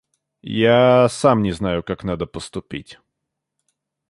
Я сам не знаю, как надо поступить.